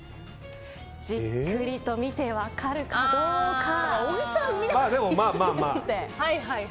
じっくりと見て分かるかどうか。